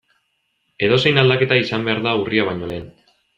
Edozein aldaketa izan behar da urria baino lehen.